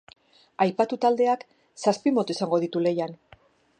Aipatu taldeak zazpi moto izango ditu lehian.